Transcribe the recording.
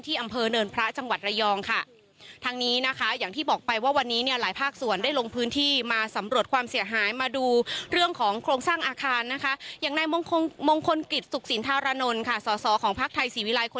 อำเภอเนินพระจังหวัดระยองค่ะ